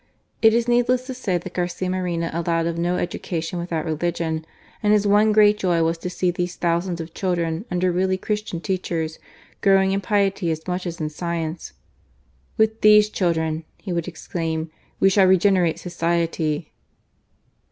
It is needless to add that Garcia Moreno allowed of no education without religion, and his one great joy was to see these thousands of children, under really Christian teachers, growing in piety as much as in science. " With these children," he would exclaim, "we shall regenerate society."